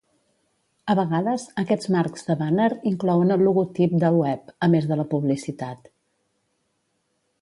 A vegades, aquests marcs de bàner inclouen el logotip del web, a més de la publicitat.